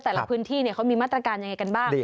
ในพื้นที่เขามีมาตรการยังไงกันบ้าง